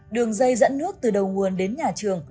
đường dây dẫn nước từ đầu nguồn đến nhà trường